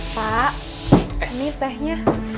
pak ini tehnya